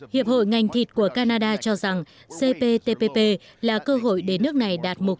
hiệp hội ngành thịt của canada cho rằng cptpp là cơ hội để nước này đạt một